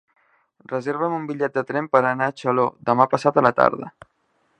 Reserva'm un bitllet de tren per anar a Xaló demà passat a la tarda.